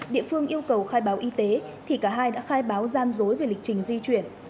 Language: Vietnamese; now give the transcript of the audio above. địa phương yêu cầu khai báo y tế thì cả hai đã khai báo gian dối về lịch trình di chuyển